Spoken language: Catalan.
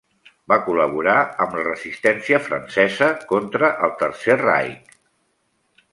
Va col·laborar amb la Resistència francesa contra el Tercer Reich.